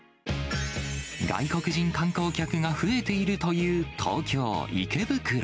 外国人観光客が増えているという東京・池袋。